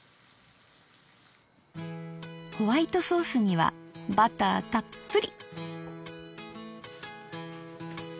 ホワイトソースにはバターたっぷり。